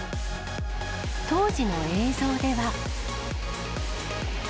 当時の映像では。